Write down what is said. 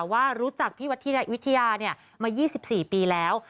ว่ารู้จักพี่วัฒนวิทยามา๒๔ปีแล้ว